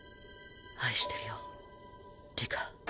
愛してるよ里香。